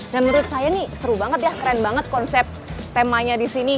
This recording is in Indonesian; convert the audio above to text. dan menurut saya nih seru banget ya keren banget konsep temanya di sini